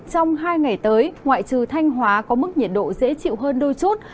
trong hai ngày tới ngoại trừ thanh hóa có mức nhiệt độ dễ chịu hơn đôi chút